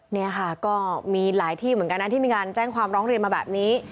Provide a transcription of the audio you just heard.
นี่ค่ะก็มีหลายที่เหมือนกันนะที่มีการแจ้งความร้องเรียนมาแบบนี้